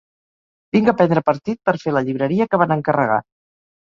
Vinc a prendre partit per fer la llibreria que van encarregar.